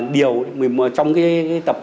điều trong cái tập